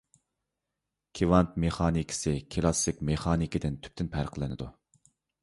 كىۋانت مېخانىكىسى كىلاسسىك مېخانىكىدىن تۈپتىن پەرقلىنىدۇ.